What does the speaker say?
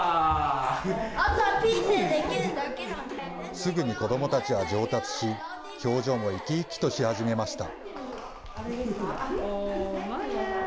すぐに子どもたちは上達し、表情も生き生きとし始めました。